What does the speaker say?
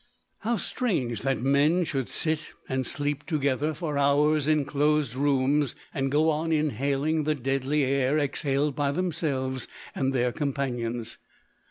How strange that men should sit and sleep together for hours in closed rooms, and go on inhaling the deadly air exhaled by themselves and their companions!